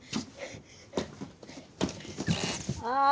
⁉ああ